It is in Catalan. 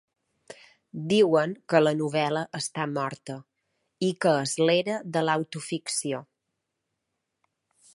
Diuen que la novel·la està morta, i que és l’era de l’autoficció.